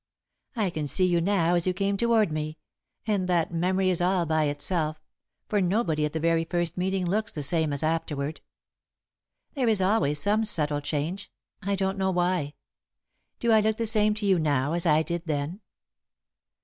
I can see you now as you came toward me, and that memory is all by itself, for nobody at the very first meeting looks the same as afterward. There is always some subtle change I don't know why. Do I look the same to you now as I did then?"